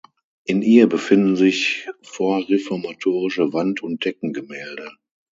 In ihr befinden sich vorreformatorische Wand- und Deckengemälde.